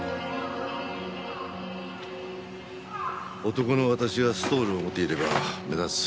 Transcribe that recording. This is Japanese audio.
男の私がストールを持っていれば目立つ。